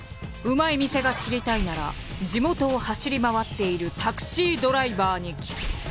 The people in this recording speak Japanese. うまい店が知りたいなら地元を走り回っているタクシードライバーに聞け！